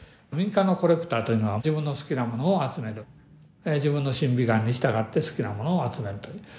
民間のコレクターというのは自分の好きなものを集める自分の審美眼に従って好きなものを集めると。